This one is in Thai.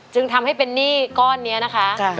จึงทำให้เป็นหนี้ก้อนนี้นะคะ